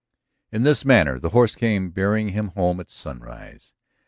In this manner the horse came bearing him home at sunrise.